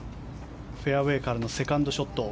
フェアウェーからのセカンドショット。